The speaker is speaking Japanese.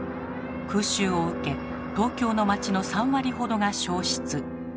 空襲を受け東京の町の３割ほどが焼失。